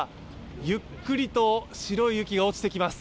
ゆっくりと白い雪が落ちてきます。